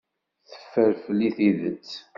Teffer fell-i tidet.